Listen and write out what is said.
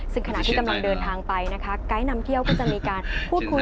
ซึ่งขณะที่กำลังเดินทางไปนะคะไกด์นำเที่ยวก็จะมีการพูดคุย